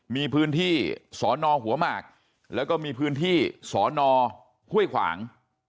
มีพื้นที่สอนอหัวหมากแล้วก็มีพื้นที่สอนอห้วยขวาง